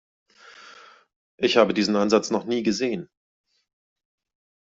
Ich habe diesen Ansatz noch nie gesehen.